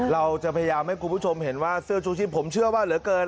เราจะพยายามให้คุณผู้ชมเห็นว่าเสื้อชูชีพผมเชื่อว่าเหลือเกิน